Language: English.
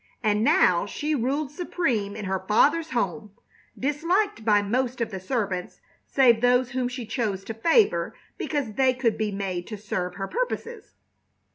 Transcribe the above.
And now she ruled supreme in her father's home, disliked by most of the servants save those whom she chose to favor because they could be made to serve her purposes.